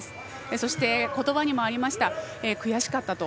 そして、言葉にもありました悔しかったと。